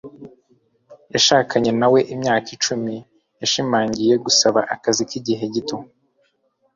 Yashakanye na we imyaka icumi. Yashimangiye gusaba akazi k'igihe gito.